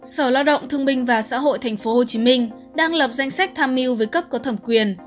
sở lao động thương minh và xã hội tp hcm đang lập danh sách tham mưu với cấp có thẩm quyền